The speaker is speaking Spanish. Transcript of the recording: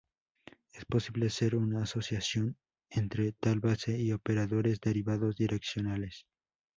Es posible hacer una asociación entre tal base y operadores derivados direccionales.